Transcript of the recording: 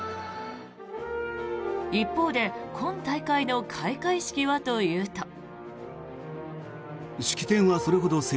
一方で今大会の開会式はというと。